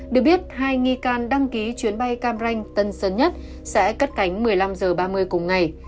được biết hai nghi can đăng ký chuyến bay cam ranh tân sơn nhất sẽ cất cánh một mươi năm h ba mươi cùng ngày